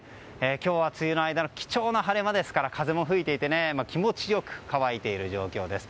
今日は梅雨の間の貴重な晴れ間ですから風も吹いていて気持ちよく乾いている状況です。